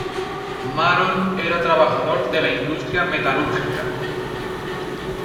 Maron era trabajador de la industria metalúrgica.